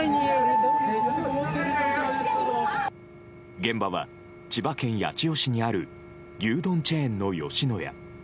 現場は千葉県八千代市にある牛丼チェーンの吉野家。